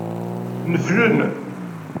Neflen.